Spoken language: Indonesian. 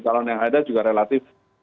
calon yang ada juga relatif